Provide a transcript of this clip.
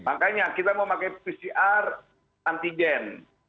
makanya kita mau pakai pcr antigen